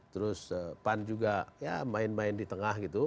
terus pan juga ya main main di tengah gitu